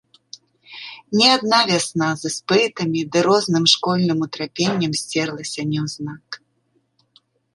Не адна вясна з іспытамі ды розным школьным утрапеннем сцерлася няўзнак.